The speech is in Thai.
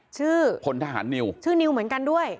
พลทหารนิวชื่อนิวเหมือนกันด้วย